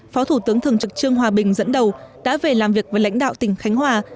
phó thủ tướng thường trực trương hòa bình dẫn đầu đã về làm việc với lãnh đạo tỉnh khánh hòa